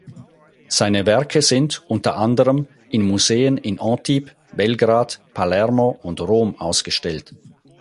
Seine Werke sind, unter anderem, in Museen in Antibes, Belgrad, Palermo und Rom ausgestellt.